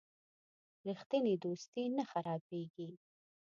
رښتینی دوستي نه خرابیږي.